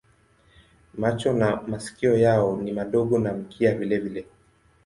Macho na masikio yao ni madogo na mkia vilevile.